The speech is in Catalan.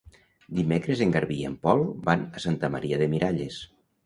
Dimecres en Garbí i en Pol van a Santa Maria de Miralles.